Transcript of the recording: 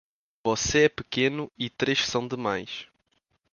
Você é pequeno e três são demais.